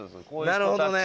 なるほどね。